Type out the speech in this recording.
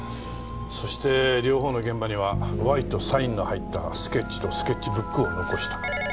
そして両方の現場には「Ｙ」とサインの入ったスケッチとスケッチブックを残した。